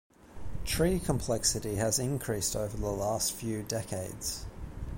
Tree complexity has increased over the last few decades.